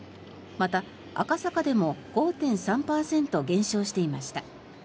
また、赤坂でも５．３％減少していました。